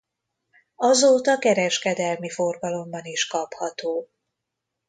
Azóta kereskedelmi forgalomban is kapható.